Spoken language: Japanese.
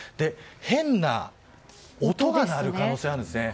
変な音が鳴る可能性があるんですね。